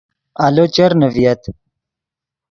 آلو چرنے ڤییت